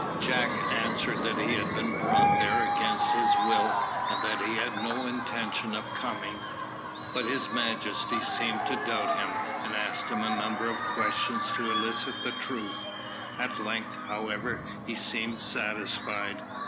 Jack answered that he had been brought there against his will, and that he had no intention of coming. But his Majesty seemed to doubt him, and asked him a number of questions to elicit the truth. At length, however, he seemed satisfied.